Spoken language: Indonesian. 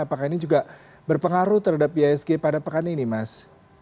apakah ini juga berpengaruh terhadap ihsg pada pekan ini mas